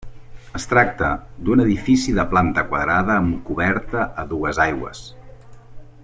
Es tracta d'un edifici de planta quadrada amb coberta a dues aigües.